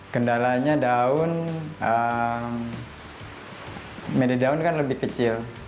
kendalanya daun medi daun kan lebih kecil